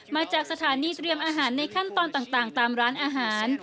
มาจากสถานีเตรียมอาหารในขั้นตอนต่างตามร้านอาหาร